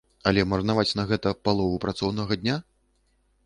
Але марнаваць на гэта палову працоўнага дня?